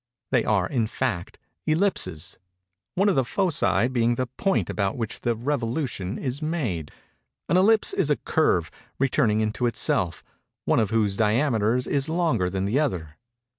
They are, in fact, ellipses—one of the foci being the point about which the revolution is made. An ellipse is a curve, returning into itself, one of whose diameters is longer than the other.